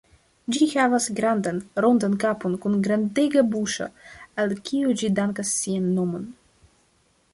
Ĝi havas grandan, rondan kapon kun grandega buŝo, al kiu ĝi dankas sian nomon.